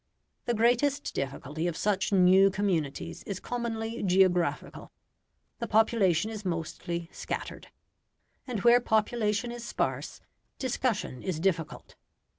The greatest difficulty of such new communities is commonly geographical. The population is mostly scattered; and where population is sparse, discussion is difficult.